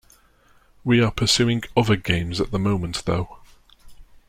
We are pursuing other games at the moment though.